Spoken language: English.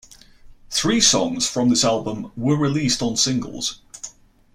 Three songs from this album were released on singles.